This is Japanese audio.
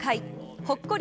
ほっこり